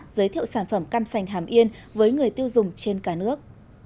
giới thiệu sản phẩm cam sành hàm yên với người tiêu dùng trên cả nước